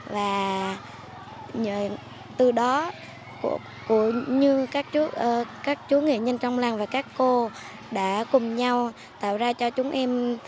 và từ đó như các chú nghệ nhân trong làng và các cô đã cùng nhau tạo ra cho chúng em